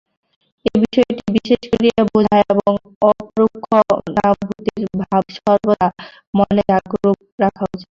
এই বিষয়টি বিশেষ করিয়া বুঝা এবং অপরোক্ষানুভূতির ভাব সর্বদা মনে জাগরূক রাখা উচিত।